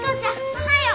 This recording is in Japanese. おはよう。